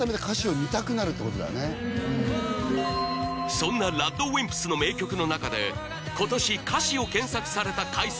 そんなＲＡＤＷＩＭＰＳの名曲の中で今年歌詞を検索された回数